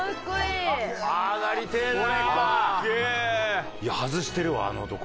いや外してるわあの男。